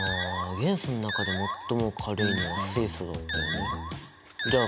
元素の中で最も軽いのは水素だったよね。